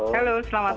halo selamat malam